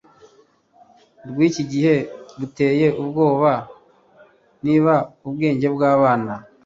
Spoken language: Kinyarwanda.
rwiki gihe buteye ubwoba Niba ubwenge bwabana